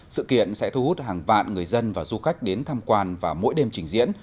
sự kiện sẽ thu hút hàng vạn người dân và du khách đến tham quan và mỗi đêm trình diễn